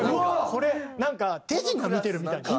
これなんか手品見てるみたいな。